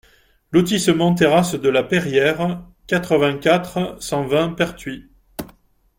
Lotissement Terrasses de la Peyriere, quatre-vingt-quatre, cent vingt Pertuis